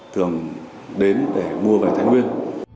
thường đến để mua về thái nguyên